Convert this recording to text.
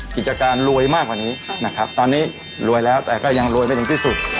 กิจการรวยมากกว่านี้นะครับตอนนี้รวยแล้วแต่ก็ยังรวยไม่ถึงที่สุด